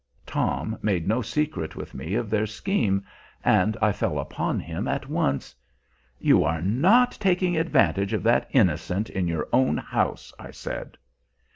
Tom made no secret with me of their scheme, and I fell upon him at once. "You are not taking advantage of that innocent in your own house!" I said.